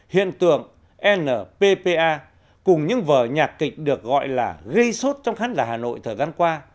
hiện tượng nppa cùng những vở nhạc kịch được gọi là gây sốt trong khán giả hà nội thời gian qua